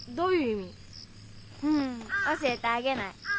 ふん教えてあげない。